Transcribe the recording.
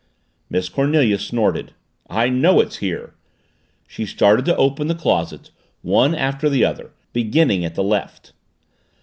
Miss Cornelia snorted. "I know it's here." She started to open the closets, one after the other, beginning at the left.